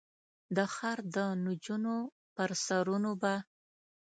د ښار د نجونو پر سرونو به ،